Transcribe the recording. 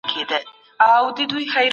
د دهلې بند د کندهار په کرنه کي څه رول لري؟